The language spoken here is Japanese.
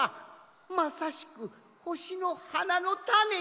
まさしく「ほしのはな」のタネじゃ！